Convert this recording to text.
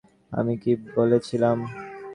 আমি কী বলেছিলাম?